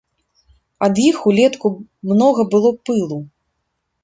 Ад іх улетку многа было пылу.